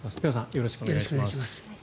よろしくお願いします。